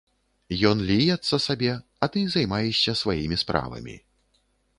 Ён ліецца сабе, а ты займаешся сваімі справамі.